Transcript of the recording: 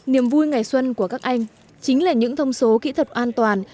niềm vui ngày xuân của các anh chính là những thông số kỹ thuật an toàn